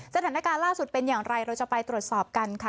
สถานการณ์ล่าสุดเป็นอย่างไรเราจะไปตรวจสอบกันค่ะ